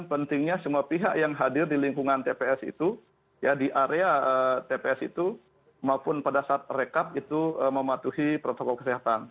pentingnya semua pihak yang hadir di lingkungan tps itu ya di area tps itu maupun pada saat rekap itu mematuhi protokol kesehatan